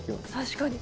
確かに。